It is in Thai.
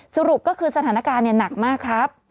สรุปก็คือสถานการณ์หนักมากครับ